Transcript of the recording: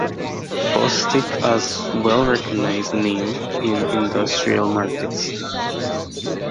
Bostik has well recognized name in industrial markets.